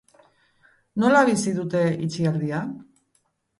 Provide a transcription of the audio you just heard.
Nola bizi dute itxialdia?